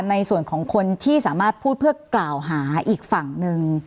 ในส่วนของคนที่สามารถพูดเพื่อกล่าวหาอีกฝั่งหนึ่ง